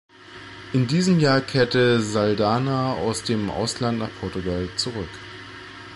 In diesem Jahr kehrte Saldanha aus dem Ausland nach Portugal zurück.